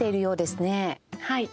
はい。